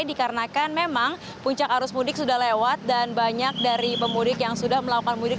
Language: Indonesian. dikarenakan memang puncak arus mudik sudah lewat dan banyak dari pemudik yang sudah melakukan mudik